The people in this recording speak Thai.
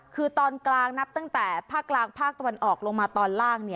คือตอนกลางนับตั้งแต่ภาคกลางภาคตะวันออกลงมาตอนล่าง